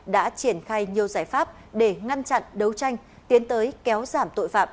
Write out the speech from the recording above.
đã triển khai nhiều giải pháp để ngăn chặn đấu tranh tiến tới kéo giảm tội phạm